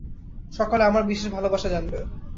সকলে আমার বিশেষ ভালবাসা জানবে।